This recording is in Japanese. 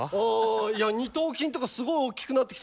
いや二頭筋とかすごい大きくなってきてますよ。